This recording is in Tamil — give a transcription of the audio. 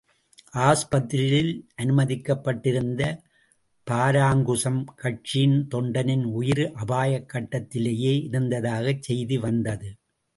ஆஸ்பத்திரியில் அனுமதிக்கப்பட்டிருந்த பாராங்குசம் கட்சியின் தொண்டனின் உயிர் அபாயக் கட்டத்திலேயே இருந்ததாகச் செய்தி வந்தது.